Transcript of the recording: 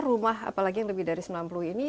rumah apalagi yang lebih dari sembilan puluh ini